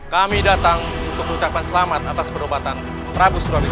kami datang untuk ucapkan selamat atas perobatan pragus klorosis